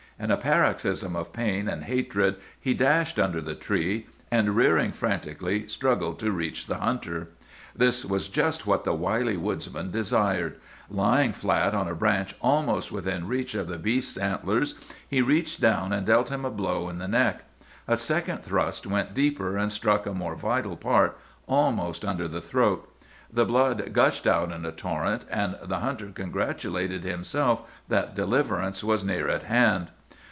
In a paroxysm of pain and hatred he dashed under the tree, and rearing frantically struggled to reach the hunter. "This was just what the wily woodsman desired. Lying flat on a branch almost within reach of the beast's antlers, he reached down and dealt him a blow in the neck. A second thrust went deeper, and struck a more vital part, almost under the throat. The blood gushed out in a torrent, and the hunter congratulated himself that deliverance was near at hand.